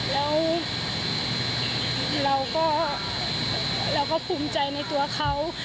แล้วเราก็เราก็ภูมิใจในตัวเขา